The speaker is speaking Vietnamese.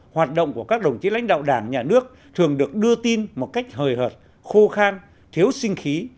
hoạt động của các đồng chí lãnh đạo đảng nhà nước thường được đưa tin một cách hời hợt khô khan thiếu sinh khí